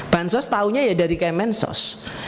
bansos tahunya ya dari kemensos